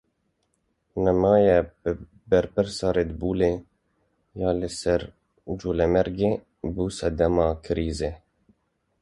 Nameya berpirsê Redbullê ya li ser Colemêrgê bû sedema krîzê.